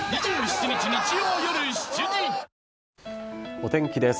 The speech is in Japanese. お天気です。